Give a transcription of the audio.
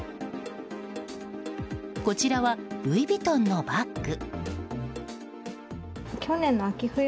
こちらはルイ・ヴィトンのバッグ。